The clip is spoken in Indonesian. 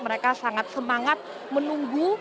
mereka sangat semangat menunggu